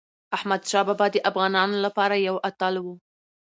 احمدشاه بابا د افغانانو لپاره یو اتل و.